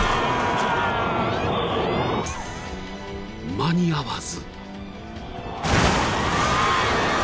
［間に合わず］